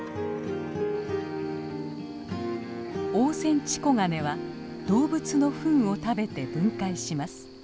オオセンチコガネは動物のふんを食べて分解します。